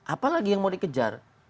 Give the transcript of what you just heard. apalagi yang mau dikejar